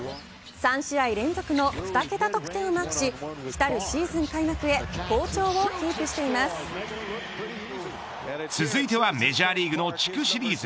３試合連続の２桁得点をマークし来るシーズン開幕へ続いてはメジャーリーグの地区シリーズ。